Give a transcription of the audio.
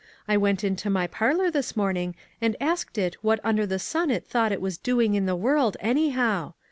I went into my parlor this morning and asked it what under the sun it thought it was doing in the world, anyhow.